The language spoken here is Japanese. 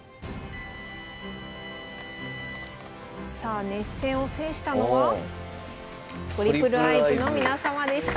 さあ熱戦を制したのはトリプルアイズの皆様でした。